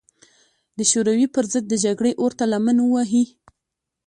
د شوروي پر ضد د جګړې اور ته لمن ووهي.